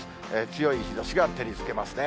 強い日ざしが照りつけますね。